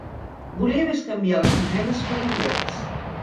Volia bescanviar les monedes per bitllets.